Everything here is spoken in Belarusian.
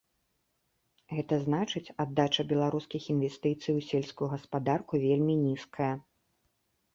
Гэта значыць, аддача беларускіх інвестыцый у сельскую гаспадарку вельмі нізкая.